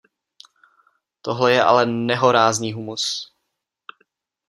Tohle je ale nehorázný humus.